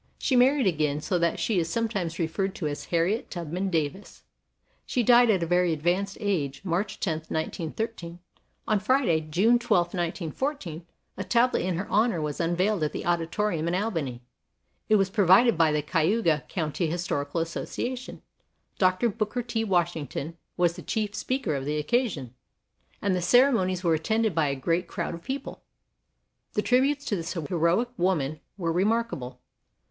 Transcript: She married again, so that she is sometimes referred to as Harriet Tubman Davis. She died at a very advanced age March 10, 1913. On Friday, June 12, 1914, a tablet in her honor was un veiled at the Auditorium in Albany. It was provided by the Cayuga County Historical Association, Dr. Booker T. Washington was the chief speaker of the occasion, and the ceremonies were attended by a great crowd of people. The tributes to this heroic woman were remarkable.